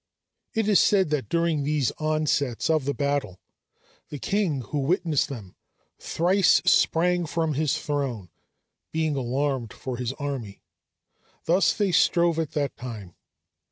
It is said that during these onsets of the battle, the king, who witnessed them, thrice sprang from his throne, being alarmed for his army. Thus they strove at that time.